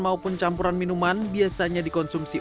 maupun campuran minuman biasanya dikonsumsi